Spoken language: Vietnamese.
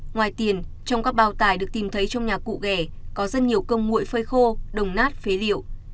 ngoài tiền trong các bao tải được tìm thấy trong nhà cụ ghẻ có rất nhiều công nguội phơi khô đồng nát phế liệu